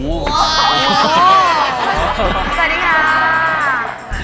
สวัสดีครับ